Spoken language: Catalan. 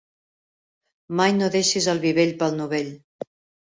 Mai no deixis el vi vell pel novell.